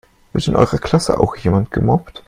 Wird in eurer Klasse auch jemand gemobbt?